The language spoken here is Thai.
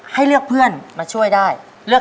ให้เลือกเพื่อนมาช่วยได้